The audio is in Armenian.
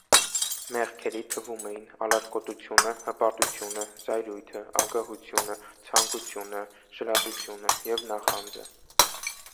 Մեղքերի թվում էին ալարկոտությունը, հպարտությունը, զայրույթը, ագահությունը, ցանկությունը, ժլատությունը և նախանձը։